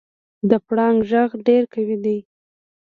د پړانګ غږ ډېر قوي دی.